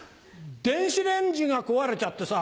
電子レンジが壊れちゃってさ。